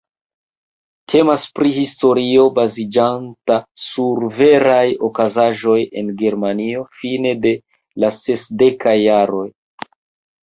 Temas pri historio, baziĝanta sur veraj okazaĵoj en Germanio fine de la sesdekaj jaroj.